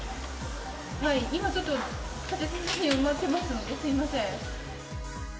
今ちょっと立て続けに埋まっていますので、すみません。